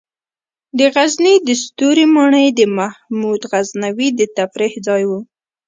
د غزني د ستوري ماڼۍ د محمود غزنوي د تفریح ځای و